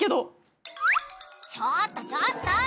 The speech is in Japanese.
ちょっとちょっと！